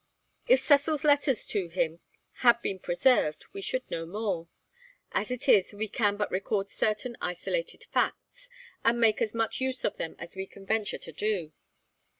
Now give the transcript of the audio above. If Cecil's letters to him had been preserved we should know more. As it is we can but record certain isolated facts, and make as much use of them as we can venture to do.